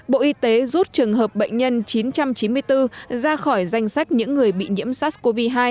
bộ y tế rút trường hợp bệnh nhân chín trăm chín mươi bốn ra khỏi danh sách những người bị nhiễm sars cov hai